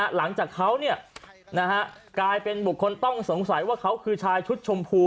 หลังจากเขากลายเป็นบุคคลต้องสงสัยว่าเขาคือชายชุดชมพู